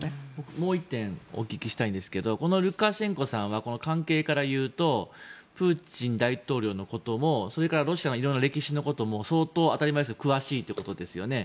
もう１点お聞きしたいんですがルカシェンコさんは関係からいうとプーチン大統領のこともそれからロシアのいろいろな歴史のことも相当詳しいということですよね。